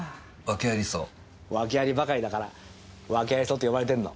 ワケありばかりだからワケあり荘って呼ばれてんの。